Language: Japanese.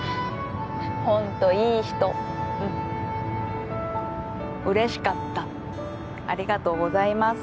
ホントいい人うん嬉しかったありがとうございます